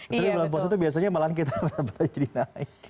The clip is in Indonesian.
tapi berat puasa itu biasanya malah kita jadi naik